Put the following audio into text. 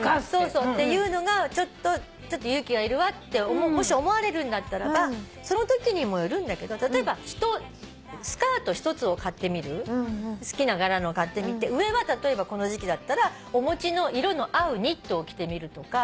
っていうのがちょっと勇気がいるわってもし思われるんだったらばそのときにもよるんだけど例えばスカート１つを買ってみる好きな柄のを買ってみて上は例えばこの時季だったらお持ちの色の合うニットを着てみるとか。